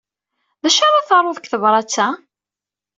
D acu ara taruḍ deg tebṛat-a?